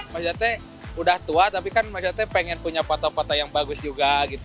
maksudnya udah tua tapi kan masyarakatnya pengen punya foto foto yang bagus juga gitu